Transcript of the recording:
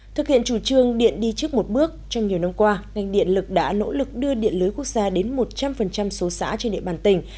thực hiện chủ trương điện đi trước một bước trong nhiều năm qua ngành điện lực đã nỗ lực đưa điện lưới quốc gia đến một trăm linh số xã trên địa bàn tỉnh